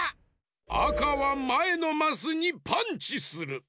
あかはまえのマスにパンチする！